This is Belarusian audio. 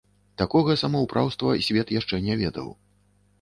Такога самаўпраўства свет яшчэ не ведаў.